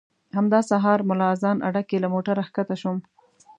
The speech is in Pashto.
همدا سهار ملا اذان اډه کې له موټره ښکته شوم.